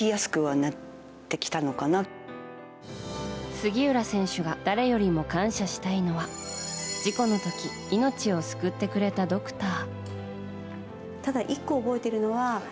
杉浦選手が誰よりも感謝したいのは事故の時命を救ってくれたドクター。